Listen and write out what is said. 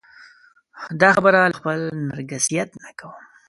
دا خبره له خپل نرګسیت نه کوم.